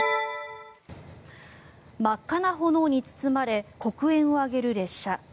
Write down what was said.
真っ赤な炎に包まれ黒煙を上げる列車。